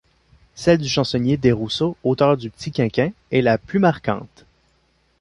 Celle du chansonnier Desrousseaux auteur du P’tit Quinquin est la plus marquante.